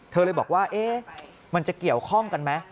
เธอเลยบอกว่ามันจะเกี่ยวข้องกันไหม